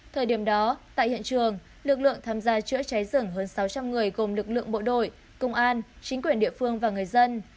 thời điểm đó tại hiện trường lực lượng tham gia chữa cháy rừng hơn sáu trăm linh người gồm lực lượng bộ đội công an chính quyền địa phương và người dân